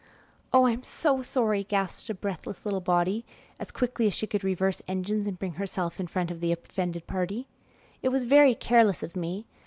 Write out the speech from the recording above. "Oh, I'm so sorry," gasped a breathless little body, as quickly as she could reverse engines and bring herself in front of the offended party. "It was very careless of me.